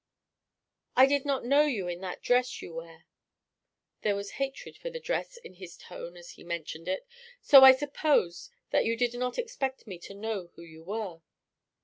"I did not know you in that dress you wear" there was hatred for the dress in his tone as he mentioned it "so I supposed that you did not expect me to know who you were."